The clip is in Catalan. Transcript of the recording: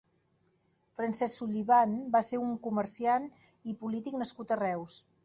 Francesc Sullivan va ser un comerciant i polític nascut a Reus.